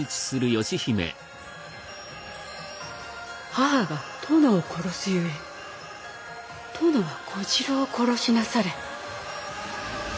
母が殿を殺すゆえ殿は小次郎を殺しなされ。